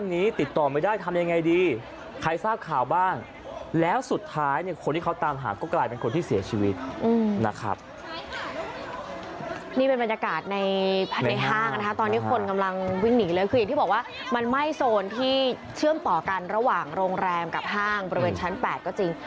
นี่เป็นบรรยากาศในภายในห้างนะคะตอนนี้คนกำลังวิ่งหนีเลยคืออย่างที่บอกว่ามันไหม้โซนที่เชื่อมต่อกันระหว่างโรงแรมกับห้างบริเวณชั้น๘ก็จริง